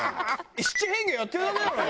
七変化やってるだけじゃない。